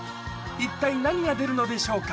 一体何が出るのでしょうか？